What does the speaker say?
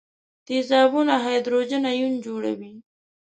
تیزابونه هایدروجن ایون جوړوي.